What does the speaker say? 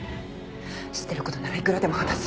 知ってることならいくらでも話す。